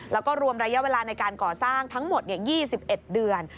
แล้วก็รวมระยะเวลาในการก่อสร้างทั้งหมด๒๑เดือน